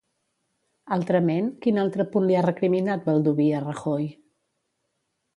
Altrament, quin altre punt li ha recriminat Baldoví a Rajoy?